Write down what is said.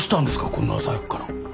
こんな朝早くから。